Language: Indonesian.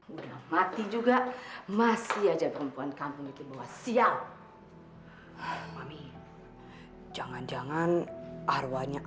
sampai jumpa di video selanjutnya